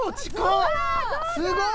すごい！